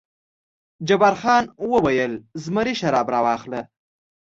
جبار خان وویل: زمري شراب راواخله.